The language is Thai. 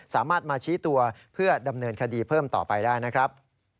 สามารถมาชี้ตัวเพื่อดำเนินคดีเพิ่มต่อไปได้นะครับ